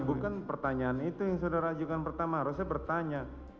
bukan pertanyaan itu yang saudara ajukan pertama harusnya bertanya